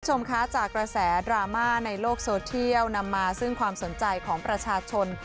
คุณผู้ชมคะจากกระแสดราม่าในโลกโซเทียลนำมาซึ่งความสนใจของประชาชน